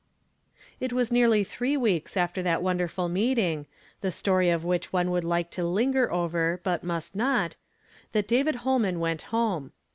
It was nearly three weeks after that wonderful meetiiii , tlie story of which one would like to iing i over Imt must not, that David Holman went home.